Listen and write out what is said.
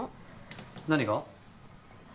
何が？